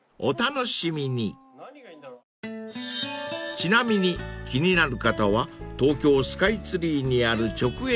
［ちなみに気になる方は東京スカイツリーにある直営店へ］